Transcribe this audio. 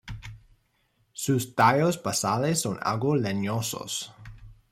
Sus tallos basales son algo leñosos.